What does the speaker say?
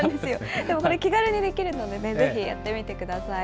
でもこれ気軽にできるので、ぜひやってみてください。